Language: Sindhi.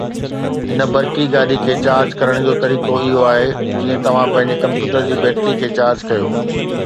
هن برقي گاڏي کي چارج ڪرڻ جو طريقو اهو آهي جيئن توهان پنهنجي ڪمپيوٽر جي بيٽري کي چارج ڪيو